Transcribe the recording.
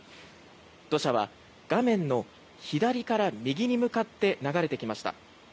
土砂は画面の左から右に向かって流れてきました。